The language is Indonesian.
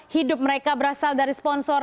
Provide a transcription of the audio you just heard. hidup mereka berasal dari sponsor